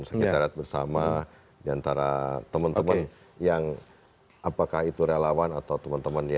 sekretariat bersama diantara temen temen yang apakah itu relawan atau temen temen ya